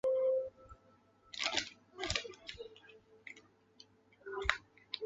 新店线之轨道已经改成汀州路及部分的罗斯福路。